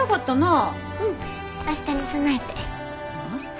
うん明日に備えて。